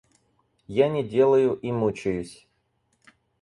Я не делаю и мучаюсь.